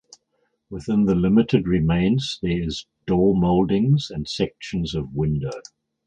Within the limited remains there is door mouldings and sections of window.